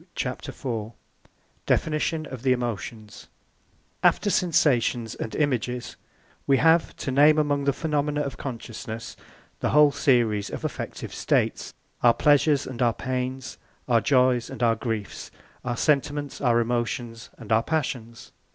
] CHAPTER IV DEFINITION OF THE EMOTIONS After sensations and images, we have to name among the phenomena of consciousness, the whole series of affective states our pleasures and our pains, our joys and our griefs, our sentiments, our emotions, and our passions.